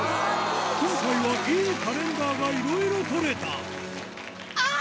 今回はいいカレンダーがいろいろ撮れたあぁ！